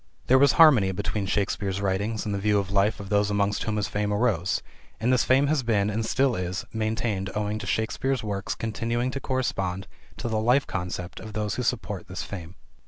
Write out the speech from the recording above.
There was harmony between Shakespeare's writings and the view of life of those amongst whom his fame arose. And this fame has been, and still is, maintained owing to Shakespeare's works continuing to correspond to the life concept of those who support this fame.